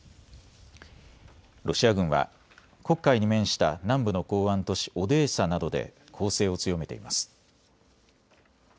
ロシア軍は黒海に面した南部の港湾都市オデーサなどで攻勢を強めています。